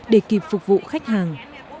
để kịp phục vụ khách hàng